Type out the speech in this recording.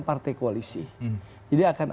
partai koalisi jadi akan